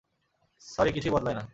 Sorry কিছুই বদলায় না।